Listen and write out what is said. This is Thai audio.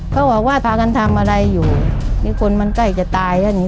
เขาบอกว่าพากันทำอะไรอยู่นี่คนมันใกล้จะตายแล้วอย่างนี้